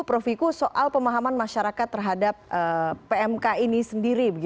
prof wiku soal pemahaman masyarakat terhadap pmk ini sendiri